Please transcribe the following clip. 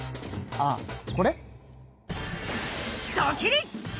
ああこれ？